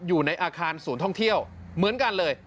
อยู่ในอาคารศูนย์ท่องเที่ยวเหมือนกันเลย